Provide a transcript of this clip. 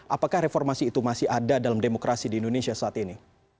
apakah reformasi itu masih ada dalam demokrasi di indonesia saat ini